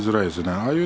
ああいう